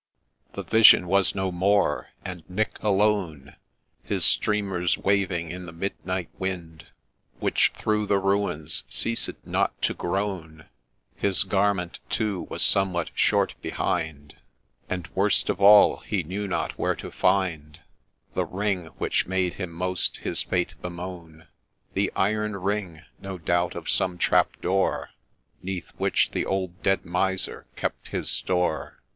' The vision was no more — and Nick alone —' His streamers waving ' in the midnight wind, Which through the ruins ceased not to groan ;— His garment, too, was somewhat short behind,— And, worst of all, he knew not where to find The ring, — which made him most his fate bemoan — The iron ring, — no doubt of some trap door, 'Neath which the old dead Miser kept his store.